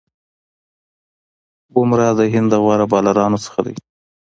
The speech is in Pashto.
بومراه د هند د غوره بالرانو څخه دئ.